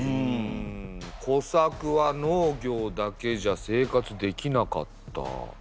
小作は農業だけじゃ生活できなかった。